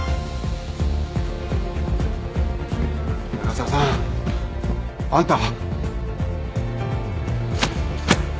長澤さんあんた。